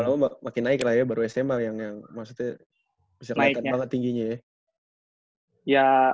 kalau makin naik lah ya baru sma yang maksudnya bisa kelihatan banget tingginya ya